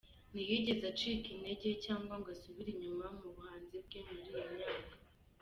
Ntiyigeze acika intege cyangwa ngo asubire inyuma mu buhanzi bwe muri iyi myaka.